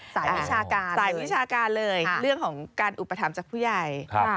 วิชาการสายวิชาการเลยเรื่องของการอุปถัมภ์จากผู้ใหญ่